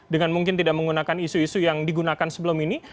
dengan mungkin tidak menggunakan isu isu yang digunakan sebelum ini